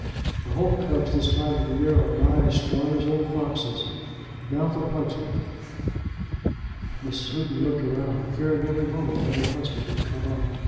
"The holt cubs this time of the year are nigh as strong as old foxes. Now for Pugsby." Mrs. Houghton looked round, fearing every moment that her husband would come up.